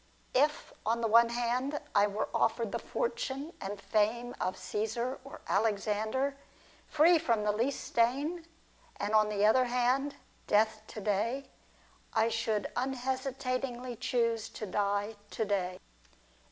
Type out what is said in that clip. If, on the one hand, I were offered the fortune and fame of Caesar or Alexander, free from the least stain ; and, on the other hand, death to day, I should unhesi tatingly choose to die to day.